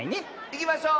いきましょう！